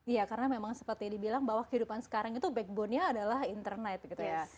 iya karena memang seperti dibilang bahwa kehidupan sekarang itu backbone nya adalah internet gitu ya